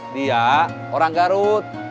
dia orang garut